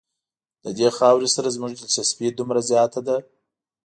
له دې خاورې سره زموږ دلچسپي دومره زیاته ده.